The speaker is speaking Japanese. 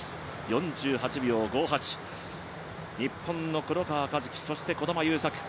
４８秒５８、日本の黒川和樹そして児玉悠作。